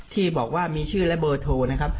ที่บอกว่ามีชื่อและเบอร์โทรนะครับ